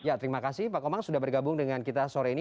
ya terima kasih pak komang sudah bergabung dengan kita sore ini